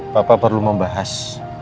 papa perlu membahas